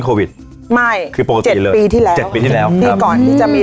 โควิดไม่คือปกติเลยปีที่แล้วเจ็ดปีที่แล้วที่ก่อนที่จะมี